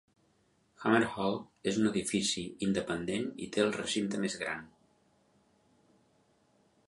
Hamer Hall és un edifici independent i té el recinte més gran.